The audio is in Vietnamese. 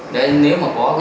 đấy nếu mà có